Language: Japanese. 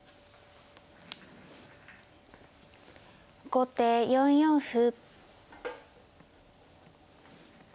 後手９四歩。